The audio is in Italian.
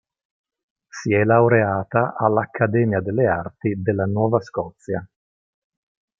Si è laureata all'Accademia delle Arti della Nuova Scozia.